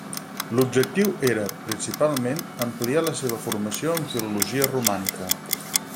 L'objectiu era, principalment, ampliar la seva formació en filologia romànica.